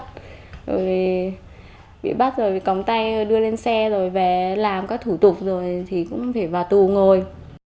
rồi bị bắt rồi cóng tay đưa lên xe rồi về làm các thủ tục rồi thì cũng phải vào tù ngồi